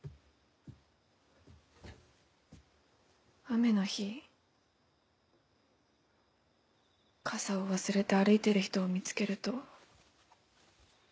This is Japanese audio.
雨の日傘を忘れて歩いてる人を見つけると。